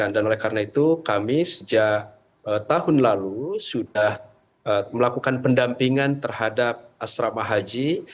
dan oleh karena itu kami sejak tahun lalu sudah melakukan pendampingan terhadap asrama haji